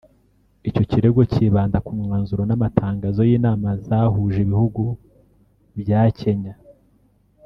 icyo kirego kibanda ku mwanzuro n’amatangazo y’inama zahuje ibihugu bya Kenya